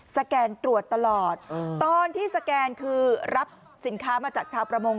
แกนตรวจตลอดตอนที่สแกนคือรับสินค้ามาจากชาวประมง